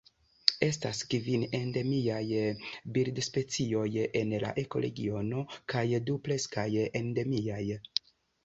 Estas kvin endemiaj birdospecioj en la ekoregiono kaj du preskaŭ endemiaj.